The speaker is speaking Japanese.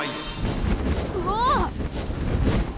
うわっ！